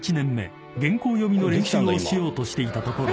［原稿読みの練習をしようとしていたところ］